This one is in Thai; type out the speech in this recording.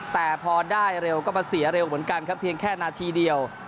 แต่พอได้เร็วก็มาเสียเร็วเหมือนกันครับเพียงแค่นาทีเดียว